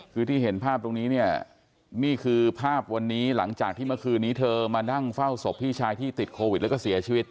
คือที่เห็นภาพตรงนี้เนี่ยนี่คือภาพวันนี้หลังจากที่เมื่อคืนนี้เธอมานั่งเฝ้าศพพี่ชายที่ติดโควิดแล้วก็เสียชีวิต